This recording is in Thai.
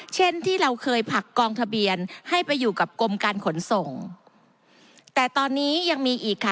เช่นที่เราเคยผลักกองทะเบียนให้ไปอยู่กับกรมการขนส่งแต่ตอนนี้ยังมีอีกค่ะ